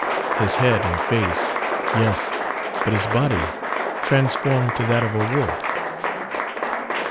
His head and face, yes; but his body transformed to that of a wolf.